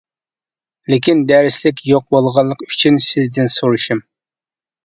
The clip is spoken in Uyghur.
لېكىن دەرسلىك يوق بولغانلىقى ئۈچۈن سىزدىن سورىشىم.